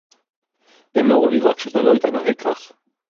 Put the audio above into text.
אמור לי רק שאתה לא היית נוהג כך